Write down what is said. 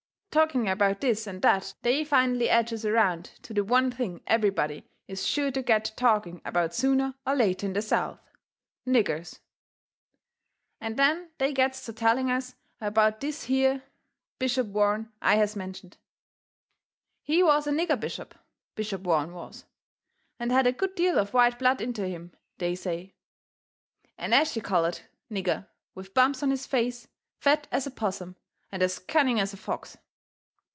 Talking about this and that they finally edges around to the one thing everybody is sure to get to talking about sooner or later in the South niggers. And then they gets to telling us about this here Bishop Warren I has mentioned. He was a nigger bishop, Bishop Warren was, and had a good deal of white blood into him, they say. An ashy coloured nigger, with bumps on his face, fat as a possum, and as cunning as a fox.